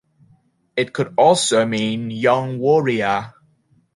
It could also mean 'young warrior'.